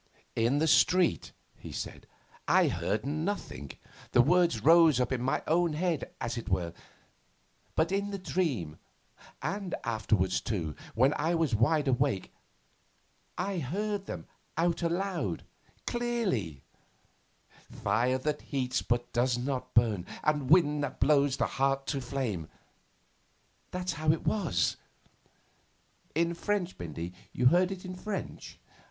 'In the street,' he said, 'I heard nothing; the words rose up in my own head, as it were. But in the dream, and afterwards too, when I was wide awake, I heard them out loud, clearly: Fire that heats but does not burn, and wind that blows the heart to flame that's how it was.' 'In French, Bindy? You heard it in French?